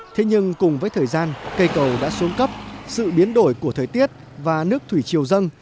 thế nhưng cùng với thời gian cây cầu đã xuống cấp sự biến đổi của thời tiết và nước thủy chiều dâng